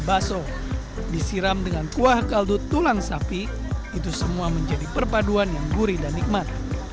bakso disiram dengan kuah kaldu tulang sapi itu semua menjadi perpaduan yang gurih dan nikmat